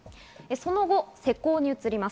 その後、施工に移ります。